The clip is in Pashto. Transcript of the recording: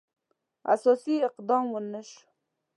اساسي اقدام ونه شو.